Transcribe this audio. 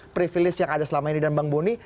privilege yang ada selama ini dan bang boni